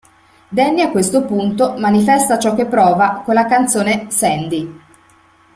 Danny a questo punto manifesta ciò che prova con la canzone "Sandy".